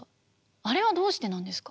あれはどうしてなんですか？